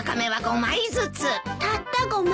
たった５枚？